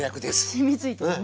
しみついてるね。